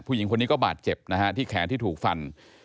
ผู้หญิงคนนี้ก็บาดเจ็บนะฮะที่แขนที่ถูกฟัน